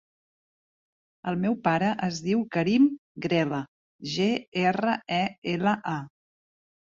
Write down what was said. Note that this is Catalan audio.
El meu pare es diu Karim Grela: ge, erra, e, ela, a.